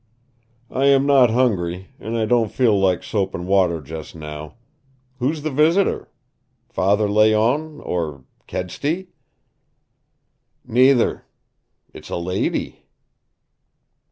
"I am not hungry, and I don't feel like soap and water just now. Who's the visitor? Father Layonne or Kedsty?" "Neither. It's a lady."